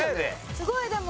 すごいでも。